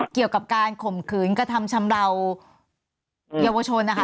เกี่ยวกับการข่มขืนกระทำชำราวเยาวชนนะคะ